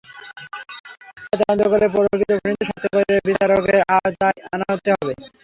তাই তদন্ত করে প্রকৃত খুনিদের শনাক্ত করে বিচারের আওতায় আনতে হবে।